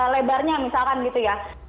lebarnya misalkan gitu ya